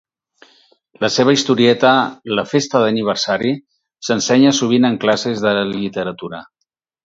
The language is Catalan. La seva historieta "La festa d'aniversari" s'ensenya sovint en classes de literatura.